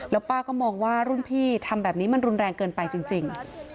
แล้วป้าก็มองว่ารุ่นพี่ทำแบบนี้มันรุนแรงเกินไปจริง